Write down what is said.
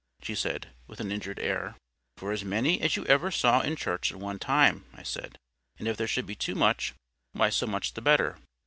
she said, with an injured air. "For as many as you ever saw in church at one time," I said. "And if there should be too much, why so much the better.